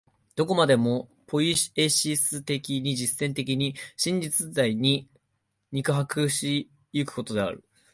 どこまでもポイエシス的に、実践的に、真実在に肉迫し行くことである。